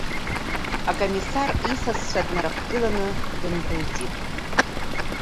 Акомиссар, исасцәа днараԥгыланы, дындәылҵит.